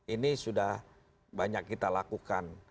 ini sudah banyak kita lakukan